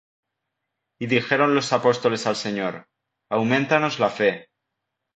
Y dijeron los apóstoles al Señor: Auméntanos la fe.